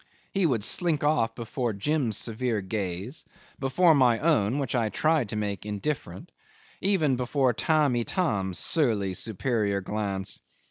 He would slink off before Jim's severe gaze, before my own, which I tried to make indifferent, even before Tamb' Itam's surly, superior glance.